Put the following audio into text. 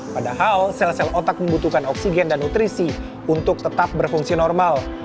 padahal sel sel otak membutuhkan oksigen dan nutrisi untuk tetap berfungsi normal